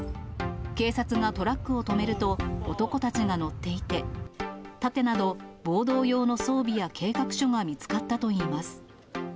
警察がトラックを止めると、男たちが乗っていて、盾など暴動用の装備や計画書が見つかったといいます。